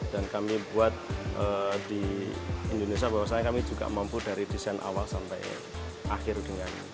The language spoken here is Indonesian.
dan kami buat di indonesia bahwasannya kami juga mampu dari desain awal sampai akhir dengan inovasi